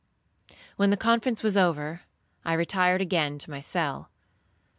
When the conference was over, I retired again to my cell.